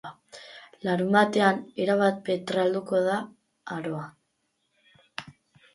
Larunbatean erabat petralduko da aroa.